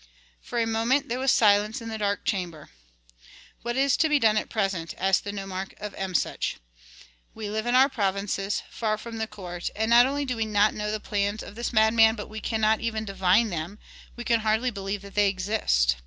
For a moment there was silence in the dark chamber. "What is to be done at present?" asked the nomarch of Emsuch. "We live in our provinces far from the court, and not only do we not know the plans of this madman, but we cannot even divine them, we can hardly believe that they exist.